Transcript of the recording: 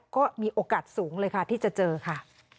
ก็มีโอกาสสูงเลยค่ะที่จะเจอค่ะ